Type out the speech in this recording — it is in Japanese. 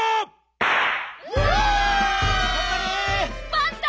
パンタ！